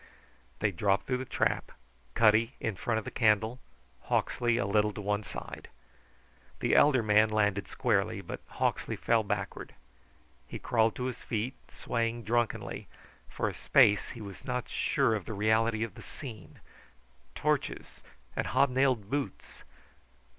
They dropped through the trap, Cutty in front of the candle, Hawksley a little to one side. The elder man landed squarely, but Hawksley fell backward. He crawled to his feet, swaying drunkenly. For a space he was not sure of the reality of the scene.... Torches and hobnailed boots!